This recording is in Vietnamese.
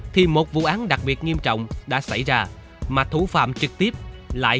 thì một vụ án đặc biệt nghiêm trọng đã xảy ra mà thủ phạm trực tiếp lại chính là bà lê thị hường